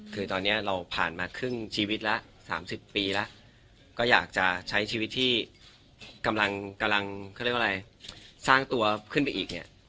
คือตอนนี้เราผ่านมาครึ่งชีวิตแล้ว๓๐ปีแล้วก็อยากจะใช้ชีวิตที่กำลังเขาเรียกว่าอะไรสร้างตัวขึ้นไปอีกเนี่ย